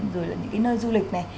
rồi những nơi du lịch